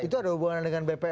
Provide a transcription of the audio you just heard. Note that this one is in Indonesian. itu ada hubungan dengan bpn dua